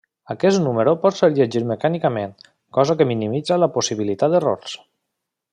Aquest número pot ser llegit mecànicament, cosa que minimitza la possibilitat d'errors.